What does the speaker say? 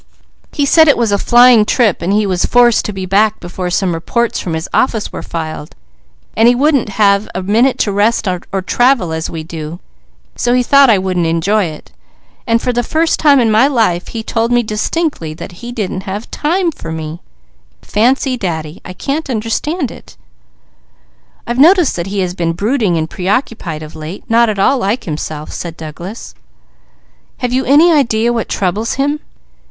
"He said it was a flying trip and he was forced to be back before some reports from his office were filed; so he thought I wouldn't enjoy it; and for the first time in my life he told me distinctly that he didn't have time for me. Fancy Daddy! I can't understand it." "I've noticed that he has been brooding and preoccupied of late, not at all like himself," said Douglas. "Have you any idea what troubles him?"